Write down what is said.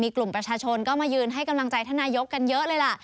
กลุ่มประชาชนก็มายืนให้กำลังใจท่านนายกกันเยอะเลยล่ะ